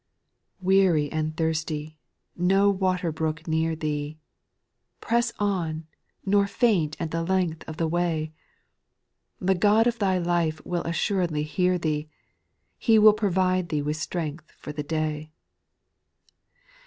3. ! Weary and thirsty, no water brook near thee, Press on, nor faint at the length of the way ; The God of thy life will assuredly hear thee ; He will provide thee with strength for the day.